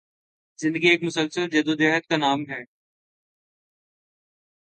زندگی ایک مسلسل جدوجہد کا نام ہے